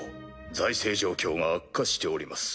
財政状況が悪化しております。